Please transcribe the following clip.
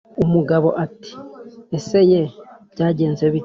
umugabo ati: "Ese ye, byagenze bite?